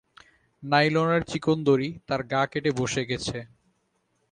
নাইলনের চিকন দড়ি তার গা কেটে বসে গেছে।